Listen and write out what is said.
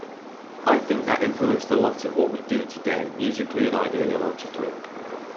I think that influenced a lot in what we do today musically and ideologically.